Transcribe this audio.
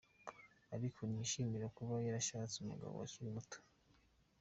Ariko ntiyishimiye kuba yarashatse umugabo akiri muto.